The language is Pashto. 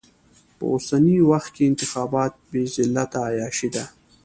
په اوسني وخت کې انتخابات بې لذته عياشي ده.